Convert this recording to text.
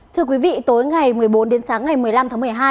thưa quý vị tối ngày một mươi bốn đến sáng ngày một mươi năm tháng một mươi hai